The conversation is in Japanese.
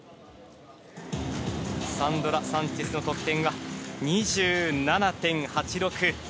サンドラ・サンチェスの得点は、２７．８６。